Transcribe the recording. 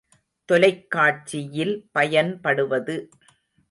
தொலைக் காட்சியில் பயன்படுவது.